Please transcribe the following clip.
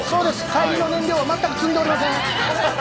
帰りの燃料は全く積んでおりません。